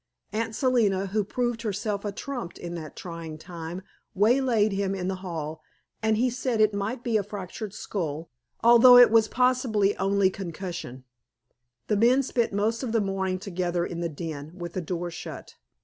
Aunt Selina, who proved herself a trump in that trying time, waylaid him in the hall, and he said it might be a fractured skull, although it was possibly only concussion. The men spent most of the morning together in the den, with the door shut.